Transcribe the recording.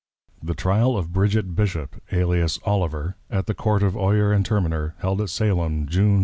THE TRYAL OF BRIDGET BISHOP, ALIAS OLIVER, AT THE COURT OF OYER AND TERMINER, HELD AT SALEM, JUNE 2.